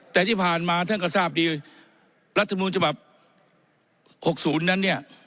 แต่ที่ผ่านมาท่านก็ทราบดีรัฐมนูลฉบับ๖๐นั้นเนี่ย